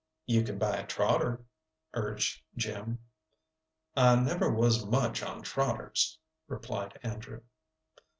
"You can buy a trotter," urged Jim. "I never was much on trotters," replied Andrew.